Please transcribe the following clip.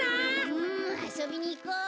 うんあそびにいこ。